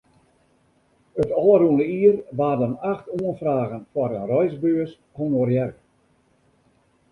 It ôfrûne jier waarden acht oanfragen foar in reisbeurs honorearre.